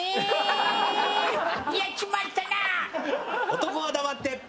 男は黙って。